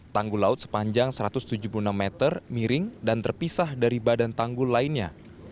tanggul laut sepanjang satu ratus tujuh puluh enam meter miring dan terpisah dari badan tanggul lainnya